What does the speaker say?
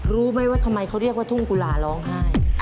รู้ไหมว่าทำไมเขาเรียกว่าทุ่งกุหลาร้องไห้